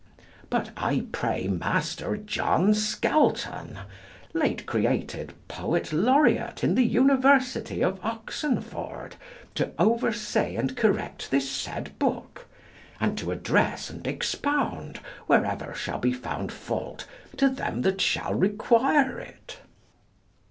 But I pray Master John Skelton, late created poet laureate in the University of Oxenford, to oversee and correct this said book, and to address and expound, wherever shall be found fault, to them that shall require it.